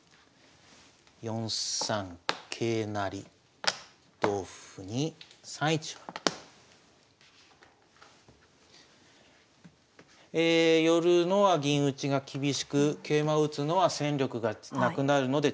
４三桂成同歩に３一馬。え寄るのは銀打ちが厳しく桂馬を打つのは戦力がなくなるのでちょっとやりにくい。